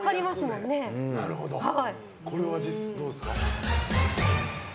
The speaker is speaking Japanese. これはどうですか？